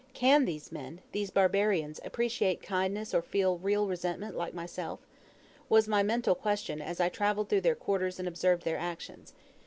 Can these men these barbarians appreciate kindness or feel resentment like myself?" was my mental question as I travelled through their quarters and observed their actions.